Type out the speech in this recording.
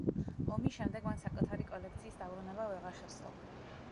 ომის შემდეგ მან საკუთარი კოლექციის დაბრუნება ვეღარ შესძლო.